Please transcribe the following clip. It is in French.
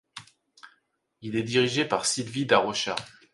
Il est dirigé par Sylvie Da Rocha.